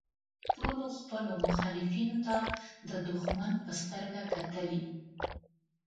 ټولو خپلو مخالفینو ته د دوښمن په سترګه کتلي.